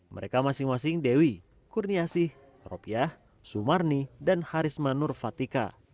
mereka masing masing dewi kurniasih ropiah sumarni dan harisma nurfatika